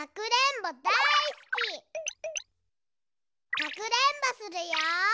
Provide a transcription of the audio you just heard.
かくれんぼするよ。